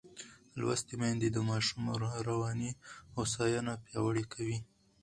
لوستې میندې د ماشوم رواني هوساینه پیاوړې کوي.